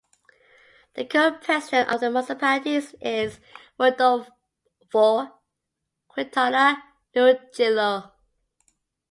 The current president of the municipality is Rodolfo Quintana Trujillo.